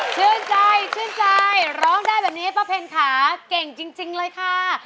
ชื่นใจชื่นใจร้องได้แบบนี้ป้าเพ็ญค่ะเก่งจริงเลยค่ะ